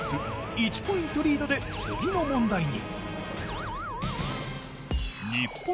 １ポイントリードで次の問題に。